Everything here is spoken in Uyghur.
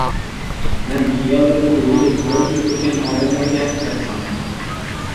مەن خىياللىرىمنى يىغىپ يولدىن ئۆتكەن ئادەملەرگە سەپسالدىم.